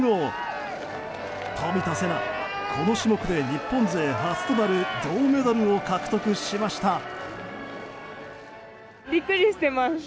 冨田せな、この種目で日本勢初となる銅メダルを獲得しました。